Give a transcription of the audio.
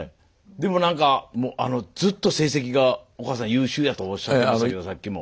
でも何かずっと成績がお母さん優秀やとおっしゃってましたけどさっきも。